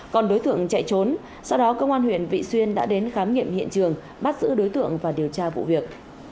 còn đối tượng chạy trốn sau đó công an huyện vị xuyên đã đến khám nghiệm hiện trường bắt giữ đối tượng và điều tra vụ việc